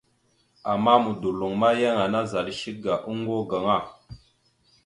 Ama modorloŋ, yan ana zal shek ga oŋgo gaŋa.